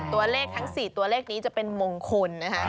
ตัวเลขทั้ง๔ตัวเลขนี้จะเป็นมงคลนะคะ